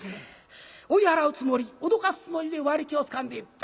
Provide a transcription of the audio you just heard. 追い払うつもり脅かすつもりで割木をつかんでペッ。